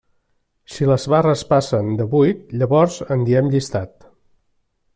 Si les barres passen de vuit, llavors en diem llistat.